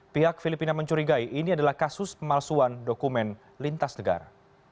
pihak filipina mencurigai ini adalah kasus pemalsuan dokumen lintas negara